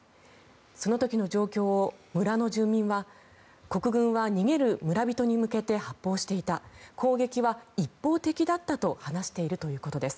その時の状況を村の住民は国軍は逃げる村人に向けて発砲していた攻撃は一方的だったと話しているということです。